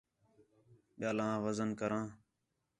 ٻِیال آں وزن کراں